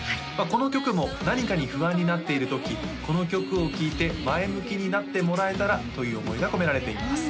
この曲も何かに不安になっている時この曲を聴いて前向きになってもらえたらという思いが込められています